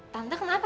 tante kenapa tante